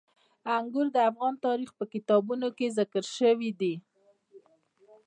انګور د افغان تاریخ په کتابونو کې ذکر شوی دي.